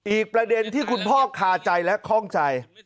อีกประเด็นที่คุณพ่อคาใจและข้องใจ